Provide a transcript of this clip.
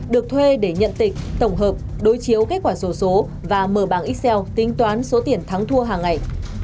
được thuê để nhận tịch tổng hợp đối chiếu kết quả sổ số và mở bảng xl tính toán số tiền thắng thua hàng ngày